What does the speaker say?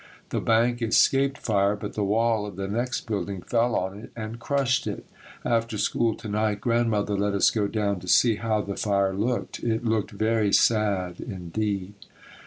The bank escaped fire, but the wall of the next building fell on it and crushed it. After school to night Grandmother let us go down to see how the fire looked. It looked very sad indeed.